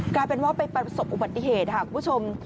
กลายเป็นว่าไปประสบอุบัติเหตุค่ะคุณผู้ชม